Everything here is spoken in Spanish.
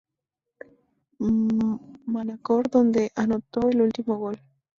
Manacor donde anotó el último gol.